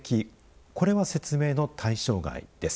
これは説明の対象外です。